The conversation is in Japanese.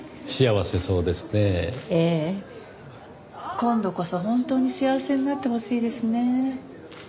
今度こそ本当に幸せになってほしいですね。